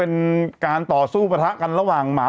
งานด้านอ่ะด้านอ่อ